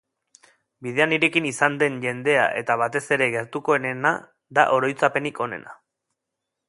Bidean nirekin izan den jendea eta batez ere gertukoenena da oroitzapenik onena.